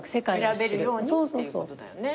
選べるようにっていうことだよね。